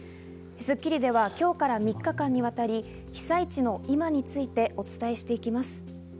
『スッキリ』では今日から３日間にわたり、被災地の今についてお伝えしていきます。